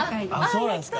そうなんすか？